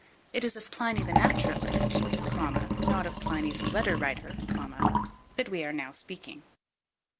It is of Pliny the naturalist, not of Pliny the letter writer, that we are now speaking.